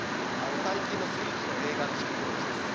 最近の３Ｄの映画の仕組みと同じです。